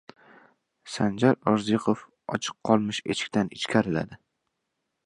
Serjant Orziqulov ochiq qolmish eshikdan ichkariladi.